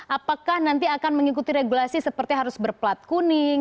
apakah nanti akan mengikuti regulasi seperti harus berplat kuning